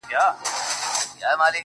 و هندوستان ته دې بيا کړی دی هجرت شېرينې_